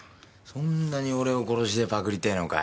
そんなに俺を殺しでパクりてぇのかよ。